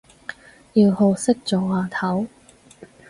要學識做阿頭